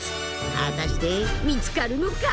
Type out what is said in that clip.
［果たして見つかるのか？］